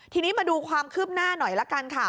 ทีนี้มาดูความคืบหน้าหน่อยละกันค่ะ